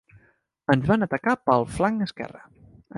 Ens van atacar pel flanc esquerre.